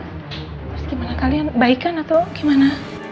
terus gimana kalian baikan atau gimana